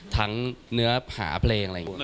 เนื้อหาเพลงอะไรอย่างนี้